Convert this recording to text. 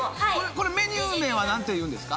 これメニュー名は何ていうんですか？